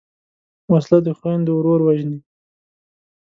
وسله د خویندو ورور وژني